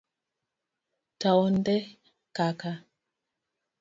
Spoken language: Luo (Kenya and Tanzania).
Taonde kaka